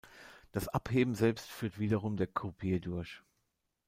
Das Abheben selbst führt wiederum der Croupier durch.